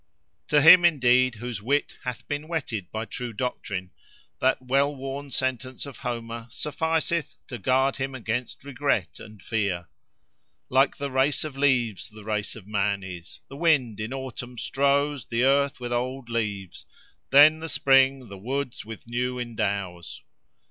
"To him, indeed, whose wit hath been whetted by true doctrine, that well worn sentence of Homer sufficeth, to guard him against regret and fear.— Like the race of leaves The race of man is:— The wind in autumn strows The earth with old leaves: then the spring the woods with new endows.